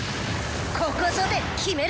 ここぞで決めろ。